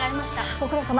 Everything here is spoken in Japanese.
ご苦労さま。